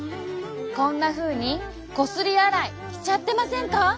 こんなふうにこすり洗いしちゃってませんか？